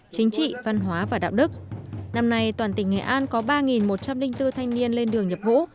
chính trị văn hóa và đạo đức năm nay toàn tỉnh nghệ an có ba một trăm linh bốn thanh niên lên đường nhập ngũ